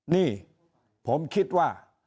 นี่ผมคิดว่า